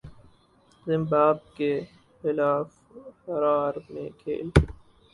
زمباب کے خلاف ہرار میں کھیل